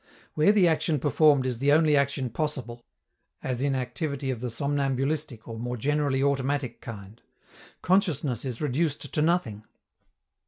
Where the action performed is the only action possible (as in activity of the somnambulistic or more generally automatic kind), consciousness is reduced to nothing.